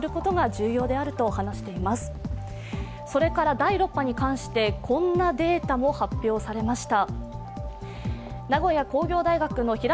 第６波に関してこんなデータも発表されました。